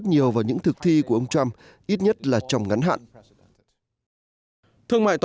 xin chào và hẹn gặp lại